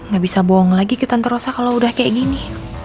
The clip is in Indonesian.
gak bisa bohong lagi ke tante rosa kalau udah kayak gini